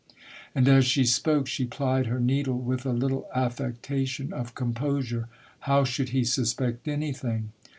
" And as she spoke, she plied her needle with a little affectation of composure. How should he suspect anything?